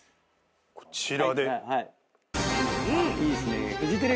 こちらで。